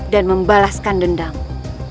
dan membalaskan dendamu